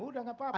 udah gak apa apa